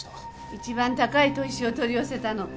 一番高い砥石を取り寄せたの。